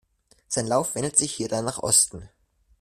Sein Lauf wendet sich hier dann nach Osten.